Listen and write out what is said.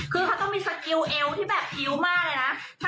คือเขาต้องมีสกิลเอวที่แบบพิ้วมากเลยนะ